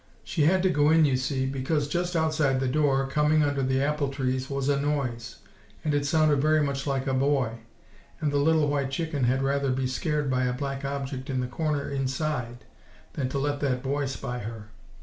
She had to go in you see, because just outside the door, coming under the apple trees, was a noise, and it sounded very much like a boy; and the little white chicken had rather be scared by a black object in the corner inside, than to let that boy spy her.